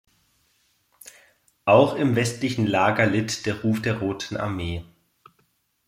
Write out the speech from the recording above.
Auch im westlichen Lager litt der Ruf der Roten Armee.